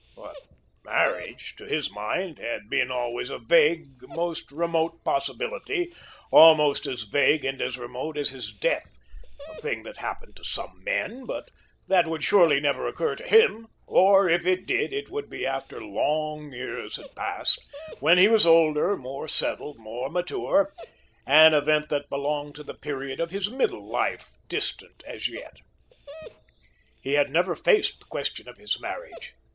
But marriage, to his mind, had been always a vague, most remote possibility, almost as vague and as remote as his death, a thing that happened to some men, but that would surely never occur to him, or, if it did, it would be after long years had passed, when he was older, more settled, more mature an event that belonged to the period of his middle life, distant as yet. He had never faced the question of his marriage.